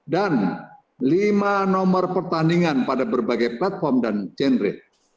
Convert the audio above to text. dan lima nomor pertandingan pada berbagai platform dan genre